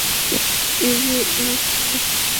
Easy - ওরে আমি ধরবো।